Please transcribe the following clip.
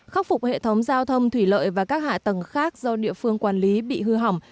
khắc phục hệ thống giao thông thủy lợi và các hạ tầng khác do địa phương quản lý bị hư hỏng